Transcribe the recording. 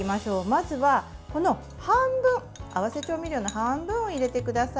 まずは合わせ調味料の半分を入れてください。